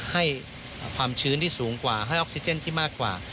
ให้ความชื้นที่สูงกว่าให้ออกซิเจนที่มากกว่า